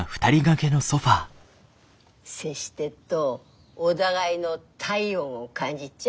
接してっとお互いの体温を感じっちゃ？